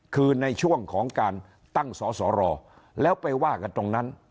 คือในช่วงของการตั้งสอสอรอแล้วไปว่ากันตรงนั้น